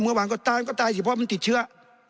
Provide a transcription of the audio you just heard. เมื่อวานก็ตายก็ตายสิเพราะมันติดเชื้อ